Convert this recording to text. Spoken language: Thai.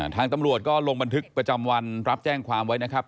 ทางตำรวจก็ลงบันทึกประจำวันรับแจ้งความไว้นะครับ